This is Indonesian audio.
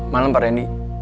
malam pak randy